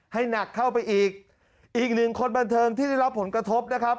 ให้หนักเข้าไปอีกอีกหนึ่งคนบันเทิงที่ได้รับผลกระทบนะครับ